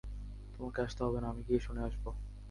তোমাকে আসতে হবে না, আমি গিয়ে শুনে আসব।